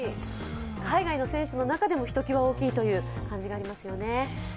海外の選手の中でもひときわ大きいという感じがありますよね。